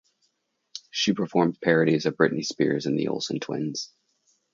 She performed parodies of Britney Spears and the Olsen twins.